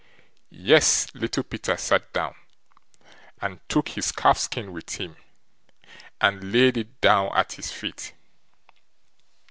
Yes, Little Peter sat down, and took his calfskin with him, and laid it down at his feet.